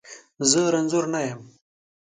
زه رنځور نه یم.